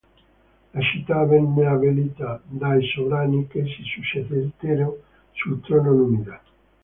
La città venne abbellita dai sovrani che si succedettero sul trono numida.